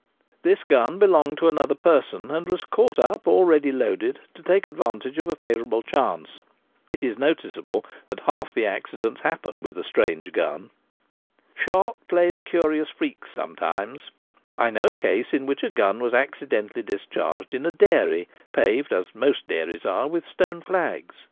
This gun belonged to another person, and was caught up,, already loaded, to take advantage of a favourable chance ; it is noticeable that half the accidents happen with a strange gun. Shot plays curious freaks sometimes : I know a. 204 The Gamekeeper al Home. case in which a gun was accidentally discharged in a dairy paved as most dairies are with stone flags.